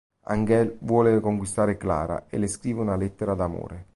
Ángel vuole conquistare Clara e le scrive una lettera d'amore.